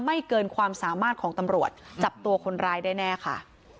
เกินความสามารถของตำรวจจับตัวคนร้ายได้แน่ค่ะ